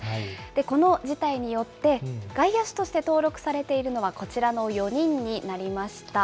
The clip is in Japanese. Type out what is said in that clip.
この辞退によって、外野手として登録されているのはこちらの４人になりました。